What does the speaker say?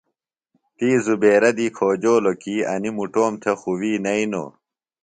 تی زبیرہ دی کھوجولوۡ کی انیۡ مُٹوم تھےۡ خُوۡ وی نئینوۡ۔